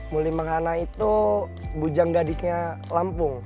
muli menghanai itu bujang gadisnya lampung